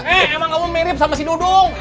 eh emang kamu mirip sama si dudung